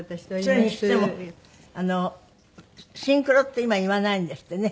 それにしてもシンクロって今言わないんですってね。